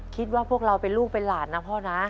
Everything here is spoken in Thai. คิดว่าพวกเราเป็นลูกเป็นหลานนะพ่อนะ